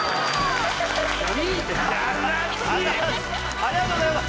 ありがとうございます。